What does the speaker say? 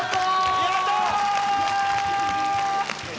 やった！